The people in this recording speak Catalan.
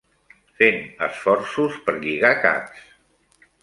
...fent esforços per lligar caps